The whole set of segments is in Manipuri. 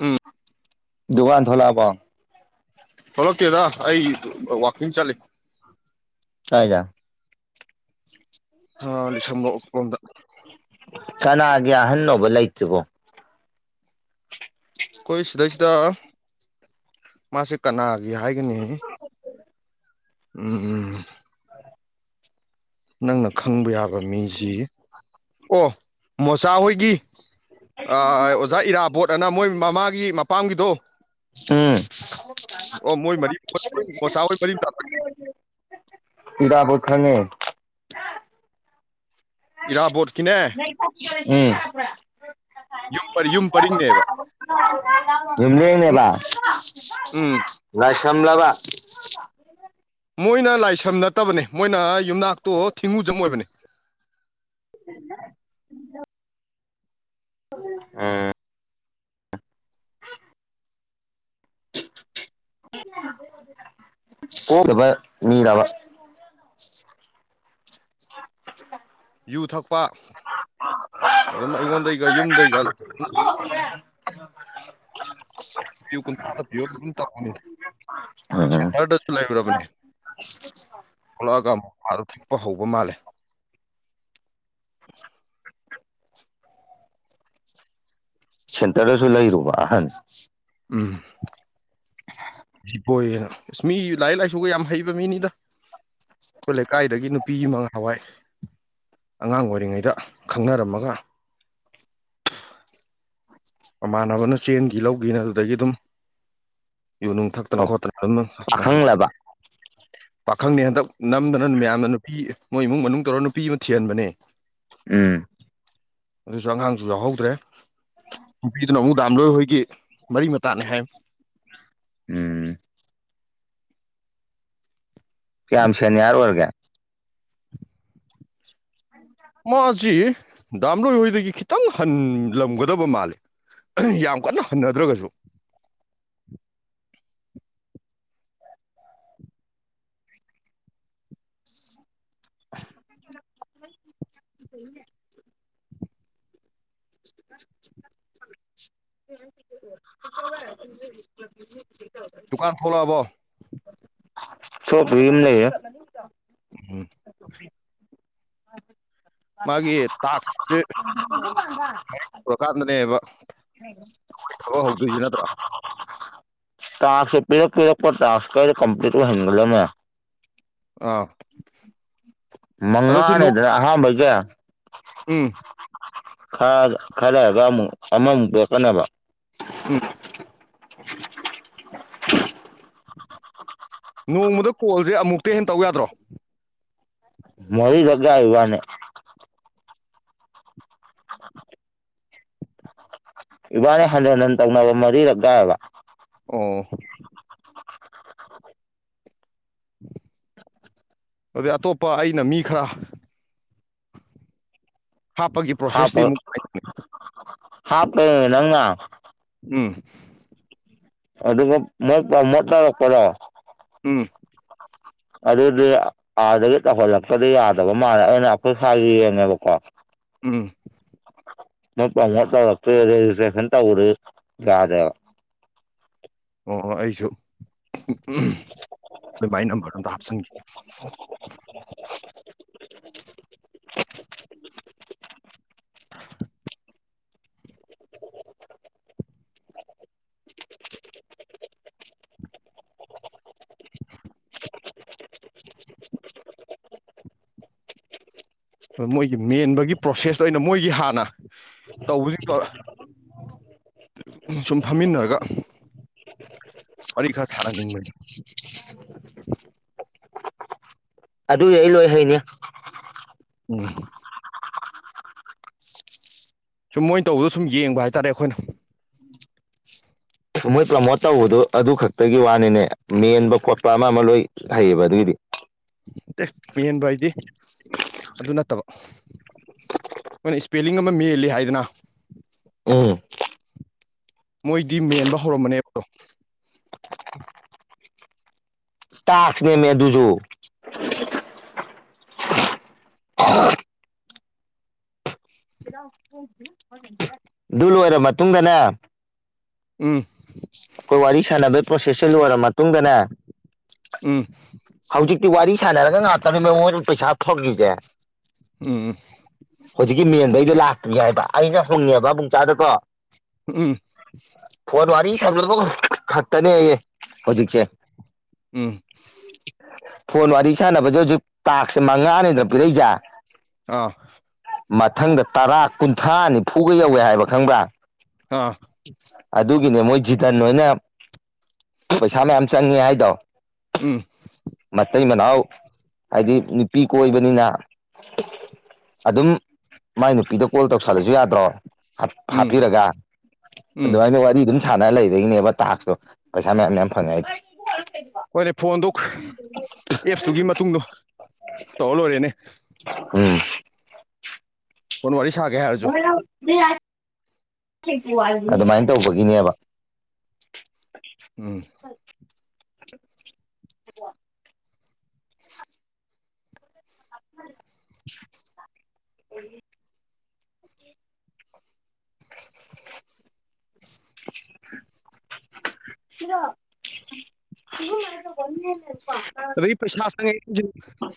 ꯎꯝ ꯗꯨꯒꯥꯟ ꯊꯣꯛꯂꯑꯕꯣ ꯊꯣꯛꯂꯛꯇꯦꯗ ꯑꯩ ꯑ ꯋꯥꯛꯀꯤꯡ ꯆꯠꯂꯤ ꯀꯥꯏꯗ ꯍꯥ ꯂꯤꯁꯝꯕ꯭ꯔꯧ ꯔꯣꯝꯗ ꯀꯅꯥꯒꯤ ꯑꯍꯟꯅꯣꯕ ꯂꯩꯇ꯭ꯔꯤꯕꯣ ꯈꯣꯏ ꯁꯤꯗꯩꯁꯤꯗ ꯃꯥꯁꯦ ꯀꯅꯥꯒꯤ ꯍꯥꯏꯒꯅꯤ ꯎꯝ ꯎꯝ ꯅꯪꯅ ꯈꯪꯕ ꯌꯥꯕ ꯃꯤꯖꯤ ꯑꯣ ꯃꯣꯆꯥꯍꯣꯏꯒꯤ ꯑ ꯑꯣꯖꯥ ꯏꯔꯥꯕꯣꯠ ꯑꯅ ꯃꯣꯏ ꯃꯃꯥꯒꯤ ꯃ__ ꯄꯥꯝꯒꯤꯗꯣ ꯎꯝ ꯑꯣ ꯃꯣꯏ ꯃꯔꯤ ꯃꯣꯆꯥ ꯍꯣꯏ ꯃꯔꯤ ꯃꯇꯥꯅꯦ ꯏꯔꯥꯕꯣꯠ ꯈꯪꯉꯦ ꯏꯔꯥꯕꯣꯠꯀꯤꯅꯦ ꯎꯝ ꯌꯥꯝ ꯌꯨꯝ ꯄꯔꯤꯡꯅꯦꯕ [inaudible] ꯎꯝ ꯂꯥꯏꯁ꯭ꯔꯝꯂꯥꯕꯥ ꯃꯣꯏꯅ ꯂꯥꯏꯁ꯭ꯔꯝ ꯅꯠꯇꯕꯅꯦ ꯃꯣꯏꯅ ꯌꯨꯝꯅꯥꯛꯇꯣ ꯊꯤꯡꯉꯨꯖꯝ ꯑꯣꯏꯕꯅꯤ [inaudible] ꯎꯝ [unintelligible] ꯃꯤꯔꯥꯕꯥ [inaudible] ꯌꯨ ꯊꯛꯄ ꯑꯗꯨꯝ ꯑꯩꯉꯣꯟꯗꯩꯒ ꯌꯨꯝꯗꯩꯒ [inaudible] ꯌꯨ ꯀꯨꯟꯊ꯭ꯔꯥꯇ ꯄꯤꯌꯨ ꯑꯗꯨꯝ ꯇꯧꯕꯅꯤꯗ ꯎꯝ ꯁꯦꯟꯇꯔꯗꯁꯨ ꯂꯩꯔꯨꯔꯕꯅꯦ ꯊꯣꯛꯂꯛꯑꯒ ꯃꯄꯥꯥꯗ ꯊꯛꯄ ꯍꯧꯕ ꯃꯥꯜꯂꯦ [inaudible] [inaudible] ꯁꯦꯟꯇꯔꯗꯁꯨ ꯂꯩꯔꯨꯕ ꯑꯍꯟ ꯎꯝ [unintelligible] ꯑꯁ ꯃꯤ ꯂꯥꯏꯔꯤꯛ ꯂꯥꯏꯁꯨꯒ ꯌꯥꯝ ꯍꯩꯕ ꯃꯤꯅꯤꯗ ꯑꯩꯈꯣꯏ ꯂꯩꯀꯥꯏꯗꯒꯤ ꯅꯨꯄꯤ ꯑꯃ ꯅꯍꯥꯟꯋꯥꯏ ꯑꯉꯥꯡ ꯑꯣꯏꯔꯤꯉꯩꯗ ꯈꯪꯅꯔꯝꯃꯒ ꯃꯃꯥꯟꯅꯕꯅ ꯆꯦꯟꯒꯤ ꯂꯧꯒꯤꯅ ꯑꯗꯨꯗꯒꯤ ꯗꯨꯝ ꯌꯨꯅꯨꯡ ꯊꯛꯇꯅ ꯈꯣꯠꯇꯅ ꯑꯗꯨꯝ ꯄꯥꯈꯪꯂꯕ [unintelligible] ꯄꯥꯈꯪꯅꯤ ꯍꯟꯗꯛ ꯅꯝꯗꯅ ꯃꯌꯥꯝꯅ ꯅꯨꯄꯤ ꯃꯣꯏ ꯏꯃꯨꯡ ꯃꯅꯨꯡ ꯇꯧꯔ ꯅꯨꯄꯤ ꯑꯃ ꯊꯤꯍꯟꯕꯅꯦ ꯎꯝ ꯑꯗꯨꯁꯨ ꯑꯉꯥꯡꯁꯨ ꯌꯥꯎꯍꯧꯗ꯭ꯔꯦ ꯅꯨꯄꯤꯗꯨꯅ ꯑꯃꯨꯛ ꯗꯥꯝ ꯂꯣꯏꯍꯣꯏꯒꯤ ꯃꯔꯤ ꯃꯇꯥꯅꯦ ꯍꯥꯏ ꯎꯝ ꯀꯌꯥꯝ ꯁꯦꯅꯤꯌꯥꯔ ꯑꯣꯏꯔꯒꯦ ꯃꯥꯁꯤ ꯗꯥꯝꯂꯣꯏꯍꯣꯏꯗꯒꯤ ꯈꯤꯇꯪ ꯍꯟꯂꯝꯒꯗꯕ ꯃꯥꯜꯂꯤ [unintelligible] ꯌꯥꯝ ꯀꯟꯅ ꯍꯟꯗꯗꯔꯒꯥꯁꯨ [inaudible] [unintelligible] [unintelligible] ꯗꯨꯀꯥꯟ ꯊꯣꯂꯛꯑꯕꯣ ꯊꯣꯛꯂꯛꯇ꯭ꯔꯤ ꯌꯨꯝ ꯂꯩꯍꯦ [unintelligible] [unintelligible] ꯃꯥꯒꯤ ꯇꯥꯛꯁꯁꯦ ꯃꯌꯥꯏ ꯌꯧꯔꯀꯥꯟꯗꯅꯦꯕ [inaudible] ꯑꯩꯈꯣꯏ ꯊꯕꯛ ꯍꯧꯗꯣꯏꯁꯦ ꯅꯠꯇꯔꯣ ꯇꯥꯛꯁꯦ ꯄꯤꯔꯛ ꯄꯤꯔꯛꯄ ꯇꯥꯛꯈꯔꯥ ꯀꯣꯝꯄ꯭ꯂꯤꯠ ꯑꯣꯏꯍꯟꯒꯗꯕꯅꯦ ꯑꯥ ꯑꯗꯣ ꯁꯤ ꯅꯣꯡ ꯃꯉꯥꯅꯦꯗꯅ ꯑꯍꯥꯟꯕꯩꯁꯦ ꯎꯝ ꯈꯔ ꯈꯔ ꯂꯩꯔꯒ ꯑꯃꯨꯛ ꯑꯃꯃꯨꯛ ꯄꯤꯔꯛꯀꯅꯤꯕ ꯎꯝ ꯅꯣꯡꯃꯗ ꯀꯣꯜꯁꯦ ꯑꯃꯨꯛꯇꯩ ꯍꯦꯟ ꯇꯧ ꯌꯥꯗ꯭ꯔꯣ ꯃꯔꯤꯔꯛ ꯌꯥꯏ ꯏꯕꯅꯤ ꯏꯕꯥꯅꯤ ꯍꯟꯖꯟ ꯍꯟꯖꯟ ꯇꯧꯅꯕ ꯃꯔꯤꯔꯛ ꯌꯥꯏꯌꯦꯕꯥ ꯑꯣ ꯑꯗꯨꯗꯤ ꯑꯇꯣꯞꯄ ꯑꯩꯅ ꯃꯤ ꯈꯔ ꯍꯥꯞꯄꯒꯤ ꯄ꯭ꯔꯣꯁꯦꯁꯇꯤ ꯍꯥꯞꯄꯣ ꯑꯃꯨꯛ ꯍꯞꯄꯥ ꯅꯪꯅ ꯎꯝ ꯑꯗꯨꯒ ꯃꯣꯏ ꯄꯔꯣꯃꯣꯠ ꯇꯧꯔꯛꯄꯔꯣ ꯎꯝ ꯑꯗꯨꯗꯤ ꯑꯥꯗꯒꯤ ꯇꯧꯍꯜꯂꯛ ꯇꯔꯥꯗꯤ ꯌꯥꯗꯕ ꯃꯥꯜꯂꯦ ꯑꯩꯅ ꯑꯩꯈꯣꯏ ꯁꯥꯏꯒꯤ ꯌꯦꯡꯉꯦꯕꯀꯣ ꯎꯝ ꯃꯣꯏ ꯄꯔꯥꯃꯣꯠ ꯇꯧꯔꯛꯇꯔꯤ ꯔꯦꯒꯤꯁꯠꯇꯔꯦꯁꯟ ꯇꯧꯔꯤ ꯌꯗꯦꯕꯥ ꯑꯣ ꯑꯣ ꯑꯩꯁꯨ [unintelligible] ꯑꯈꯣꯏ ꯃꯥ ꯅꯝꯕꯔꯗꯨ ꯑꯝꯇ ꯍꯥꯞꯆꯟꯒꯦ [inaudible] [inaudible] ꯃꯣꯏꯒꯤ ꯃꯦꯟꯕꯒꯤ ꯄ꯭ꯔꯣꯁꯦꯁꯇꯣ ꯑꯩꯅ ꯃꯣꯏꯒꯤ ꯍꯥꯟꯅ ꯇꯧꯕꯁꯤꯡꯗꯣ ꯁꯨꯝ ꯐꯝꯃꯤꯟꯅꯔꯒ ꯋꯥꯔꯤ ꯈꯔ ꯊꯥꯟꯅꯅꯤꯡꯕꯅꯤ [inaudible] ꯑꯗꯨꯒꯤ ꯑꯩ ꯂꯣꯏ ꯍꯩꯅꯤ [unintelligible] ꯁꯨꯝ ꯃꯣꯏꯅ ꯇꯧꯕꯗꯣ ꯁꯨꯝ ꯌꯦꯡꯕ ꯍꯥꯏꯇꯥꯔꯦ ꯑꯩꯈꯣꯏꯅ ꯃꯣꯏ ꯄ꯭ꯔꯥꯃꯣꯠ ꯇꯧꯕꯗꯨ ꯑꯗꯨ ꯈꯛꯇꯒꯤ ꯋꯥꯅꯤꯅꯦ ꯃꯦꯟꯕ ꯈꯣꯠꯄ ꯑꯃ ꯑꯃ ꯂꯣꯏ ꯍꯩꯌꯦꯕ ꯑꯗꯨꯒꯤꯗꯤ ꯑꯦ ꯃꯦꯟꯕ ꯍꯥꯏꯗꯤ ꯑꯗꯨ ꯅꯠꯇꯕ ꯑꯩꯈꯣꯏꯅ ꯁ꯭ꯄꯦꯂꯤꯡ ꯑꯃ ꯃꯦꯟꯂꯤ ꯍꯥꯏꯗꯅ ꯎꯝ ꯃꯣꯏꯗꯤ ꯃꯦꯟꯕ [inaudible] ꯇꯥꯁ꯭ꯀꯅꯦꯃꯦ ꯑꯗꯨꯁꯨ [inaudible] ꯑꯗꯨ ꯂꯣꯏꯔ ꯃꯇꯨꯡꯗꯅꯦ ꯎꯝ ꯑꯩꯈꯣꯏ ꯋꯥꯔꯤ ꯁꯥꯟꯅꯕꯩ ꯄ꯭ꯔꯣꯁꯦꯁꯁꯦ ꯂꯣꯏꯔ ꯃꯇꯨꯡꯗꯅꯦ ꯎꯝ ꯍꯧꯖꯤꯛꯇꯤ ꯋꯥꯔꯤ ꯁꯥꯟꯅꯔꯒ ꯉꯥꯛꯇꯅꯦ ꯃꯦ ꯃꯣꯏꯅ ꯄꯩꯁꯥ ꯐꯪꯉꯤꯁꯦ ꯎꯝ ꯍꯧꯖꯤꯛꯀꯤ ꯃꯦꯟꯕꯩꯗꯣ ꯂꯥꯛꯇꯔꯤ ꯍꯥꯏꯕ ꯑꯩꯅ ꯍꯪꯉꯦꯕ ꯄꯕꯨꯡꯆꯥꯗꯀꯣ ꯎꯝ ꯐꯣꯟ ꯋꯥꯔꯤ ꯁꯝꯅꯕ ꯈꯛꯇꯅꯦꯌꯦ ꯍꯧꯖꯤꯛꯁꯦ ꯎꯝ ꯐꯣꯟ ꯋꯥꯔꯤ ꯁꯥꯟꯅꯕꯁꯦ ꯍꯧꯖꯤꯛ ꯇꯥꯁ꯭ꯀ ꯃꯉꯥꯅꯤꯗꯅ ꯄꯤꯔꯛꯏꯖꯦ ꯑꯥ ꯃꯊꯪꯗ ꯇꯔꯥ ꯀꯨꯟꯊ꯭ꯔꯥ ꯅꯤꯐꯨꯒ ꯌꯧꯋꯦ ꯍꯥꯏꯕ ꯈꯪꯕ꯭ꯔꯥ ꯑꯥ ꯑꯗꯨꯒꯤꯅꯦ ꯃꯣꯏ ꯖꯤꯇꯥꯟ ꯍꯣꯏꯅ ꯄꯩꯁꯥ ꯃꯌꯥꯝ ꯆꯪꯉꯦ ꯍꯥꯏꯗꯣ ꯎꯝ ꯃꯇꯩ ꯃꯅꯥꯎ ꯍꯥꯏꯗꯤ ꯅꯨꯄꯤ ꯀꯣꯏꯕꯅꯤꯅ ꯑꯗꯨꯝ ꯃꯥꯏ ꯅꯨꯄꯤꯗ ꯀꯣꯜ ꯇꯧꯁꯜꯂꯁꯨ ꯌꯥꯗ꯭ꯔꯣ ꯍꯥꯞ ꯎꯝ ꯍꯥꯞꯄꯤꯔꯒ ꯎꯝ ꯑꯗꯨꯃꯥꯏꯅ ꯋꯥꯔꯤ ꯑꯗꯨꯝ ꯁꯥꯟꯅ ꯂꯩꯕꯒꯤꯅꯦꯕ ꯇꯥꯁ꯭ꯀꯇꯣ ꯄꯩꯁꯥ ꯃꯌꯥꯝ ꯌꯥꯝ ꯐꯪꯉꯦ ꯍꯥꯏ [unintelligible] ꯍꯣꯏꯅꯦ ꯐꯣꯟꯗꯣ ꯑꯦꯞꯁꯇꯨꯒꯤ ꯃꯇꯨꯡꯗꯣ ꯇꯧꯔ ꯂꯣꯏꯔꯦꯅꯦ ꯎꯝ ꯐꯣꯟ ꯋꯥꯔꯤ ꯁꯥꯒꯦ ꯍꯥꯏꯔꯁꯨ [unintelligible] [unintelligible] ꯑꯗꯨꯃꯥꯏꯅ ꯇꯧꯕꯒꯤꯅꯦꯕ ꯎꯝ [inaudible] [inaudible] [unintelligible] [inaudible] ꯁꯤꯔꯣ ꯁꯤꯒꯨꯝꯕ [inaudible] ꯑꯗꯩ ꯄꯩꯁꯥ ꯆꯪꯉꯦ [unintelligible]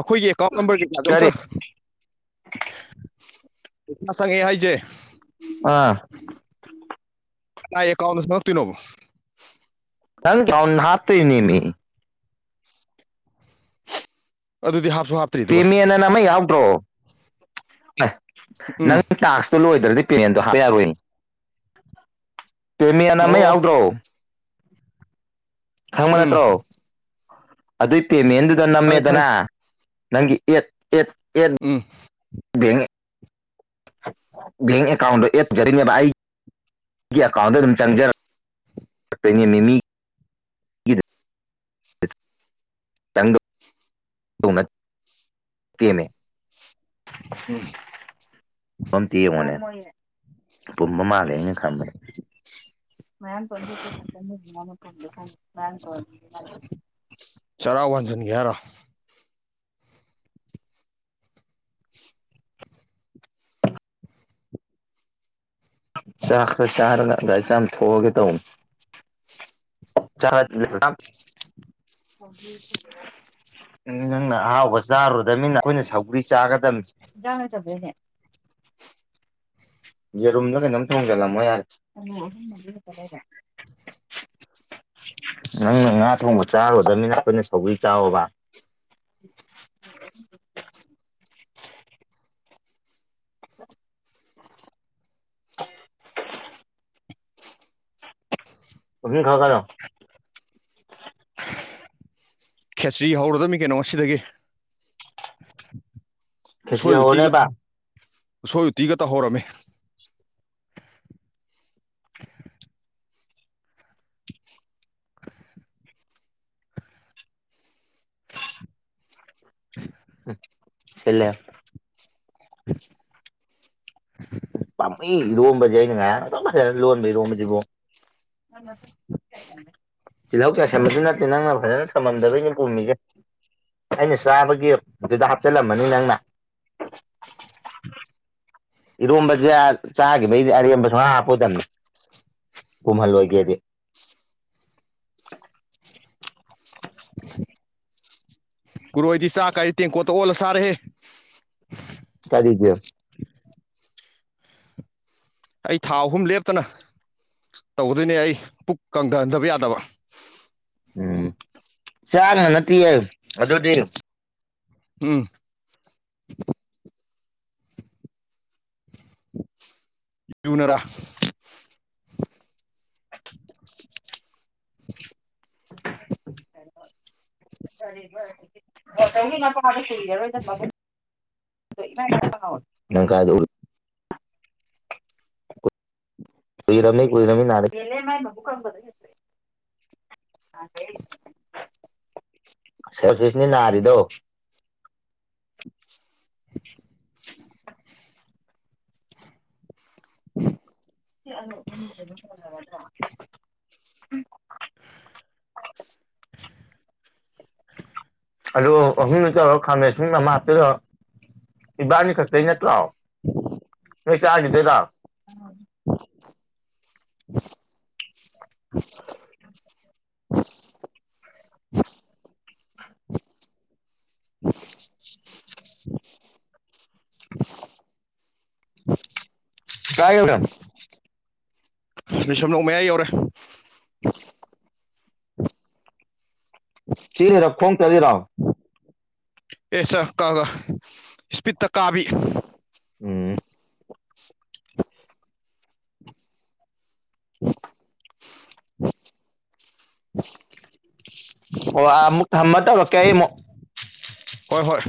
ꯑꯈꯣꯏꯒꯤ ꯑꯦꯀꯥꯎꯟ ꯅꯝꯕꯔ ꯀꯩꯀꯥꯗꯣ ꯑꯝꯇ [unintelligible] ꯍꯥꯏꯁꯦ ꯑꯥ ꯀꯅꯥꯏ ꯑꯦꯀꯥꯎꯗ ꯆꯪꯉꯛ ꯇꯣꯏ ꯅꯣꯕ ꯅꯪ ꯀꯥꯎ ꯍꯥꯞꯇꯣꯏꯅꯦꯃꯤ ꯑꯗꯨꯗꯤ ꯍꯥꯞꯁꯨ ꯍꯥꯞ__ ꯄꯦꯃꯦꯟ ꯑꯅ ꯑꯃ ꯌꯥꯎꯗꯔꯣ ꯑꯦ ꯎꯝ ꯅꯪ ꯇꯥꯛꯁ ꯇꯨ ꯂꯣꯏꯗ꯭ꯔꯗꯤ ꯄꯦꯃꯦꯟꯗꯣ ꯍꯥꯞꯄ ꯌꯥꯔꯣꯏ [unintelligible] ꯄꯦꯃꯦꯟ ꯑꯃ ꯑꯣ ꯌꯥꯎꯗ꯭ꯔꯣ ꯈꯪꯕ ꯎꯝ ꯅꯠꯇ꯭ꯔꯣ ꯑꯗꯨꯏ ꯄꯦꯃꯦꯟꯗꯨꯗ ꯈꯪꯉꯦ ꯅꯝꯃꯦꯗꯅ ꯈꯪꯉꯦ ꯅꯪꯒꯤ ꯑꯦꯠ ꯑꯦꯠ ꯑꯦꯠ__ ꯎꯝ ꯕꯦꯡꯛ ꯕꯦꯡ ꯑꯦꯀꯥꯎꯟꯗꯣ ꯑꯦꯠ ꯖꯗꯣꯏꯅꯦꯕ ꯑꯩ__ ꯒꯤ ꯑꯀꯥꯎꯗꯗꯨꯝ ꯆꯪꯖꯔꯛ ꯇꯣꯏꯅꯦꯃꯤ ꯃꯤ ꯇꯧꯅꯠ ꯇꯦꯃꯦ ꯎꯝ ꯑꯝꯇꯥ ꯌꯦꯡꯉꯣꯅꯦ [unintelligible] ꯃꯣꯏꯌꯦ ꯄꯨꯝ ꯃ ꯃꯥꯜꯂꯦ ꯈꯟꯕꯗ ꯃꯌꯥꯝ [unintelligible] ꯈꯟꯗꯤ ꯈꯟ ꯃꯥꯅ [unintelligible] ꯆꯔꯥ ꯋꯥꯟꯖꯟꯒꯦ ꯍꯥꯏꯔꯣ ꯆꯥꯛ ꯈꯔ ꯆꯥꯔꯒ ꯒꯥꯔꯤ ꯆꯥꯝꯊꯣꯛꯑꯒꯦ ꯇꯧꯅꯤ ꯆꯥꯗꯔꯤ ꯌꯥꯝ [unintelligible] ꯎꯝ ꯅꯪꯅ ꯑꯍꯥꯎꯕ ꯆꯥꯔꯨꯗꯕꯅꯤꯅ ꯑꯩꯈꯣꯏꯅ ꯁꯧꯒ꯭ꯔꯤ ꯆꯥꯒꯗꯝꯅꯤ ꯏꯟꯖꯥꯡ ꯂꯩꯇ꯭ꯔꯕꯩꯅꯦ [inaudible] ꯌꯦꯔꯨꯝꯂꯥ ꯀꯩꯅꯣꯝ ꯊꯣꯡꯖꯜꯂꯝꯃꯣ ꯌꯥꯔꯦ ꯑꯂꯨ ꯑꯍꯨꯝ ꯃꯔꯤ ꯈꯛꯇ ꯂꯩꯌꯦ ꯅꯪꯅ ꯉꯥ ꯊꯣꯡꯕ ꯆꯥꯔꯨꯗꯝꯅꯤꯅ ꯑꯩꯈꯣꯏꯅ ꯁꯧꯒꯔꯤ ꯆꯥꯎꯋꯣꯕ [inaudible] ꯍꯨꯖꯤꯛ ꯈꯥꯒꯥ ꯂꯧ ꯈꯦꯆ꯭ꯔꯤ ꯍꯧꯔꯗꯝꯃꯤ ꯀꯩꯅꯣ ꯉꯁꯤꯗꯒꯤ ꯈꯦꯆꯤ ꯎꯁꯣꯏ ꯍꯧꯔꯅꯦꯕ ꯎꯇꯤꯒꯇꯧ ꯎꯁꯣꯏ ꯎꯇꯤꯒ ꯇꯧꯍꯧꯔꯝꯃꯦ [inaudible] ꯑꯦ ꯁꯤꯜꯂꯦꯞ [inaudible] ꯎꯝ ꯄꯥꯝꯃꯨꯏ ꯏꯔꯣꯝꯕꯖꯦ ꯑꯩꯅꯉꯔꯥꯡ ꯑꯗꯨꯛ ꯐꯖꯅ ꯂꯣꯟꯕ ꯏꯔꯣꯝꯕꯖꯤꯕꯨ [unintelligible] [unintelligible] ꯇꯤꯜꯍꯧ ꯆꯥꯏꯁꯟꯕꯖꯨ ꯅꯠꯇꯦ ꯅꯪꯅ ꯐꯖꯅ ꯊꯝꯃꯝꯗꯕꯩꯅꯦ ꯄꯨꯝꯃꯤꯖꯦ ꯑꯩꯅ ꯆꯥꯕꯒꯤ ꯑꯗꯨꯗ ꯍꯥꯞꯆꯜꯂꯝꯃꯅꯤ ꯅꯪꯅ ꯏꯔꯣꯝꯕꯖꯦ ꯑ ꯆꯥꯈꯤꯕꯩꯗꯤ ꯑꯔꯦꯝꯕ ꯁꯨꯡ ꯍꯥꯞ ꯍꯥꯞꯄꯣꯏ ꯗꯝꯅꯤ ꯄꯨꯝꯍꯜ ꯂꯣꯏꯒꯦꯗꯤ ꯒꯨꯨꯔꯨ ꯑꯩꯗꯤ ꯆꯥꯛ ꯀꯥꯏ ꯇꯦꯡꯀꯣꯠꯇ ꯑꯣꯜꯂ ꯆꯥꯔꯦꯍꯦ ꯀꯔꯤꯒꯤ ꯑꯩ ꯊꯥ ꯑꯍꯨꯝ ꯂꯦꯞꯇꯅ ꯇꯧꯒꯗꯣꯏꯅꯦ ꯑꯩ ꯄꯨꯛ ꯀꯪꯗꯍꯟꯗꯕ ꯌꯥꯗꯕ ꯎꯝ ꯆꯥꯛꯅ ꯅꯠꯇꯤꯌꯦ ꯑꯗꯨꯗꯤ ꯎꯝ ꯌꯨꯅꯔꯥ [unintelligible] ꯕꯣꯆꯧꯒꯤ ꯃꯄꯥꯗꯣ ꯍꯤꯡꯉꯔꯣꯏꯗꯝ ꯃꯕꯨꯡ ꯗꯥ ꯏꯔꯥꯏ ꯂꯥꯏꯅ ꯀꯥꯎ ꯅꯪ ꯀꯥꯏꯗ ꯎꯔꯨ__ ꯀꯨꯏꯔꯝꯅꯤ ꯀꯨꯏꯔꯝꯅꯤ ꯅꯍꯥꯟꯗꯩ__ ꯅꯦꯅꯦ ꯃꯥꯏ ꯃꯕꯨꯛ ꯀꯪꯕꯗꯣ ꯍꯦꯟꯇꯣꯛꯑꯦ [unintelligible] ꯁꯔ ꯁꯨꯔꯦꯖꯅꯦ ꯅꯔꯤꯗꯣ [inaudible] ꯁꯤ ꯑꯟꯅꯨ [unintelligible] ꯑꯗꯨꯝ ꯁꯣꯏꯌꯜꯂꯒ__ [inaudible] ꯎꯝ ꯑꯂꯨ ꯑꯍꯨꯝꯗꯨ ꯇꯧꯔꯣ ꯈꯥꯃꯦꯟ ꯑꯁꯤꯟꯕꯥ ꯑꯃ ꯍꯥꯞꯆꯤꯜꯂꯣ ꯏꯕꯥꯅꯤ ꯈꯛꯇꯩ ꯅꯠꯇ꯭ꯔꯣ ꯅꯣꯏ ꯆꯥꯈꯤꯗꯣꯏꯔꯣ? [inaudible] ꯀꯥꯏ [unintelligible] ꯂꯩꯁꯨꯝ ꯅꯣꯡ ꯃꯌꯥꯏ ꯌꯧꯔꯦ [inaudible] ꯆꯦꯜꯂꯤꯔꯣ ꯈꯣꯡ ꯆꯥꯠꯂꯤꯔꯣ? ꯑꯦꯁꯥꯀꯥꯒ ꯁ꯭ꯄꯤꯠꯇ ꯀꯥꯕꯤ ꯎꯝ [inaudible] ꯑꯣ ꯑꯥꯃꯨꯛ ꯊꯝꯃꯥ ꯇꯧꯔꯛꯀꯦ ꯑꯩ ꯑꯃꯨꯛ ꯍꯣꯏ ꯍꯣꯏ